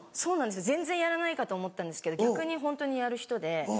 全然やらないかと思ったんですけど逆にホントにやる人で。